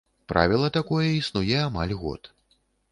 Правіла такое існуе амаль год.